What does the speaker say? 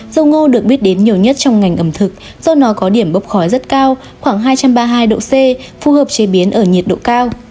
dô ngô được biết đến nhiều nhất trong ngành ẩm thực do nó có điểm bốc khói rất cao khoảng hai trăm ba mươi hai độ c phù hợp chế biến ở nhiệt độ cao